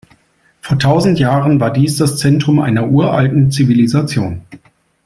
Vor tausend Jahren war dies das Zentrum einer uralten Zivilisation.